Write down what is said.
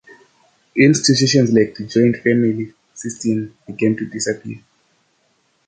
Institutions like the joint family system began to disappear.